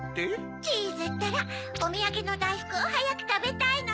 チーズったらおみやげのだいふくをはやくたべたいのね。